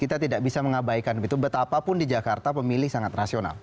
kita tidak bisa mengabaikan betapapun di jakarta pemilih sangat rasional